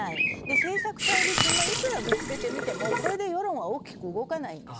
政策対立、いくらぶつけてみてもこれで世論は大きく動かないんです。